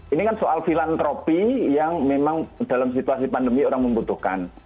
ini kan soal filantropi yang memang dalam situasi pandemi orang membutuhkan